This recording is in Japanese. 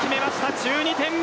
１２点目。